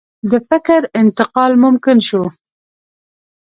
د فکر انتقال ممکن شو.